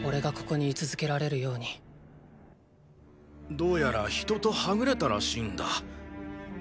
どうやら人とはぐれたらしいんだ。